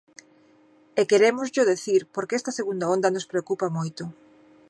E querémosllo dicir porque esta segunda onda nos preocupa moito.